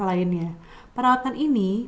lainnya perawatan ini